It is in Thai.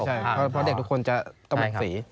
ใช่เพราะเด็กทุกคนจะต้องเป็นสี